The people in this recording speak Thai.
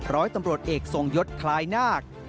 ร้อยตำรวจเอกทรงยศคล้ายนาค